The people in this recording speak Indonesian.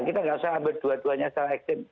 kita nggak usah berdua duanya salah eksem